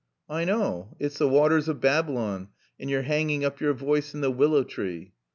"I know. It's the waters of Babylon, and you're hanging up your voice in the willow tree."